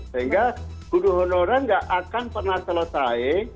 sehingga guru honorer nggak akan pernah selesai